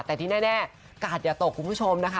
แต่ที่แน่กาดอย่าตกคุณผู้ชมนะคะ